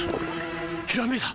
ひらめいた！